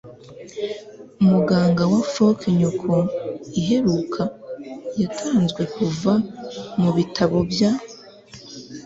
muganga wa fork nyoko'. iheruka yatanzwe kuva mubitabo by